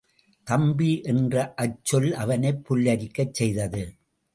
தம்பி என்ற அச்சொல் அவனைப் புல்லரிக்கச் செய்தது.